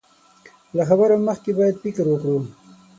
له خبرو مخکې بايد فکر وکړو.